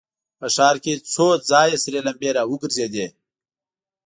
په ښار کې څو ځايه سرې لمبې را وګرځېدې.